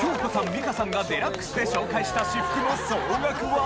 美香さんが『ＤＸ』で紹介した私服の総額は？